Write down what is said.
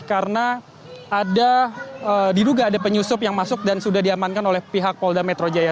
karena ada diduga ada penyusup yang masuk dan sudah diamankan oleh pihak polda metro jaya